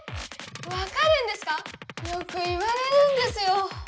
わかるんですか⁉よく言われるんですよ！